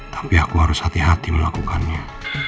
tapi aku harus hati hati melakukannya